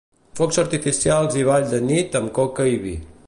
Focs artificials i ball de nit amb coca i vi.